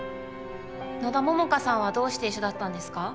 野田桃花さんはどうして一緒だったんですか？